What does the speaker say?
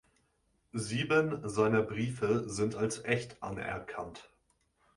Sieben seiner Briefe sind als echt anerkannt.